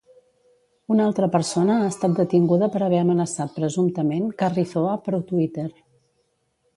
Una altra persona ha estat detinguda per haver amenaçat presumptament Carrizoa per Twitter.